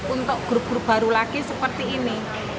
untuk grup grup baru lagi seperti ini